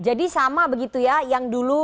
jadi sama begitu ya yang dulu